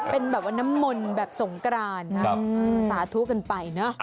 เป็นแบบว่าน้ำมนต์แบบสงกรานสาธุกันไปเนอะ